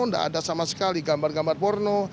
tidak ada sama sekali gambar gambar porno